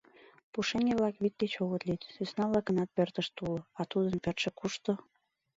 Пушеҥге-влак вӱд деч огыт лӱд, сӧсна-влакынат пӧртышт уло, а тудын пӧртшӧ кушто?